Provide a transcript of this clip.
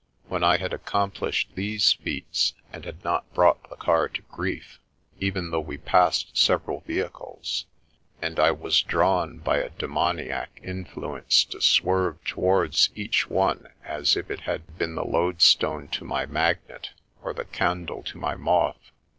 When I had accomplished these feats, and had not brought the car to grief (even though we passed several vehicles, and I was drawn by a de moniac influence to swerve towards each one as if it had been the loadstone to my magnet, or the candle to my moth).